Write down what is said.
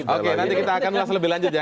oke nanti kita akan ulas lebih lanjut ya